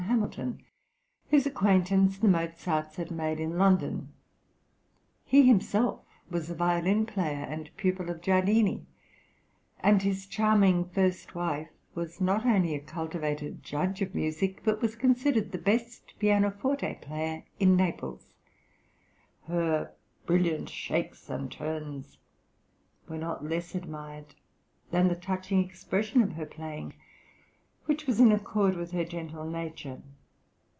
Hamilton, whose acquaintance the Mozarts had made in London. He himself was a violin player, and pupil of Giardini; and his charming first wife was not only a cultivated judge of music, but was considered the best pianoforte player in Naples; her "brilliant shakes and turns" were not less admired than the touching expression of her playing, which was in accord with her gentle nature.